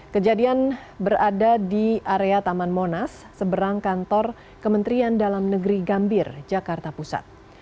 kejadian berada di area taman monas seberang kantor kementerian dalam negeri gambir jakarta pusat